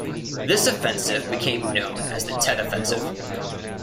This offensive became known as the Tet Offensive.